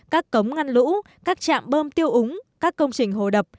các cống ngăn lũ các trạm bơm tiêu úng các công trình hồ đập